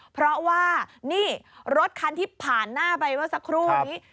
เพราะว่านี่รถคันที่ผ่านหน้าไปเมื่อสักครู่นี้